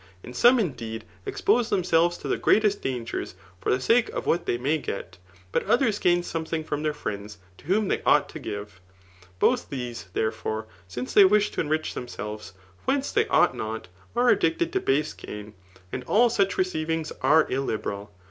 123 gnocb AoA somty ii^feedy ^^xpote dmuaeilfet to'die f^w a tet t dangers for die sake of whit they msy gel; i}dt odurs gain something from their friends to whon diey ought to give. Bodi these^ therefore, since they wish to enrich themselves whence they ought not, are addicted to base gain ; and all such receivings are illiberal.